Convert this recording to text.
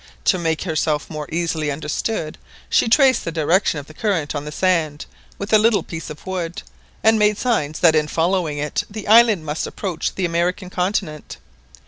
To make herself more easily understood, she traced the direction of the current on the sand with a little piece of wood, and made signs that in following it the island must approach the American continent.